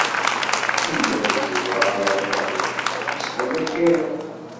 Amdakel yewεer ad t-tafeḍ, yeshel ad k-iruḥ.